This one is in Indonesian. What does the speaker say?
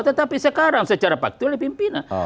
tetapi sekarang secara faktual dipimpin